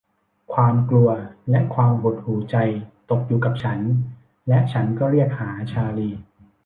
ความกลัวและความหดหู่ใจตกอยู่กับฉันและฉันก็เรียกหาชาร์ลี